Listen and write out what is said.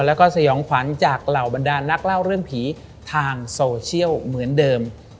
แล้วก็สยองขวัญจากเหล่าบรรดานนักเล่าเรื่องผีทางโซเชียลเหมือนเดิม